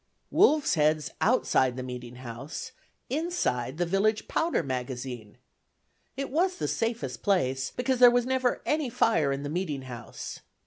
Wolves' heads outside the meeting house; inside, the village powder magazine! It was the safest place, because there was never any fire in the meeting house.